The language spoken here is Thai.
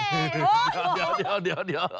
โหเดี๋ยว